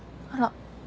あら。